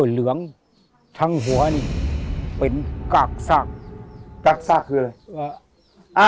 เหลืองทั้งหัวนี่เป็นกากซากกากซากคืออะไร